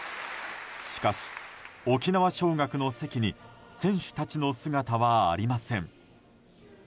しかし、沖縄尚学の席に選手たちの姿はありません。